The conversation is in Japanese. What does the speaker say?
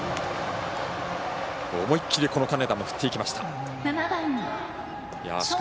思い切り、この金田も振っていきました。